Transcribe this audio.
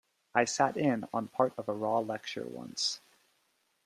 I sat in on part of a law lecture once.